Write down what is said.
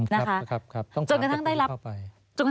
นะครับจนกระทั่งได้รับคำตอบจาก